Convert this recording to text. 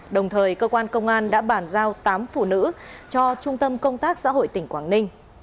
đồng thời cơ quan công an đã bàn giao tám phụ nữ cho trung tâm công tác xã hội tỉnh quảng ninh